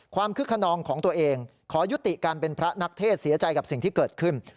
คึกขนองของตัวเองขอยุติการเป็นพระนักเทศเสียใจกับสิ่งที่เกิดขึ้น